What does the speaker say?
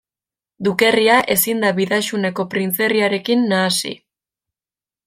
Dukerria ezin da Bidaxuneko printzerriarekin nahasi.